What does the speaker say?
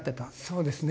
そうですね。